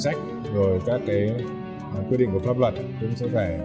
các cơ chế chính sách các quy định của pháp luật